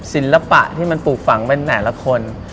ศิลปะที่มันปลูกฝังเป็นแต่ละคน